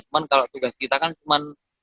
cuman kalau tugas kita kan cuma